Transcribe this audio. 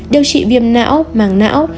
điều trị viêm não màng não